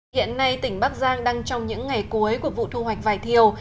hiện nay tỉnh bắc giang đang trong những ngày cuối của vụ thu hoạch vải thiều